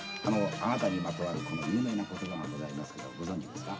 あなたにまつわる有名な言葉がございますけどご存じですか？